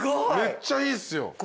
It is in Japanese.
めっちゃいいっすよ。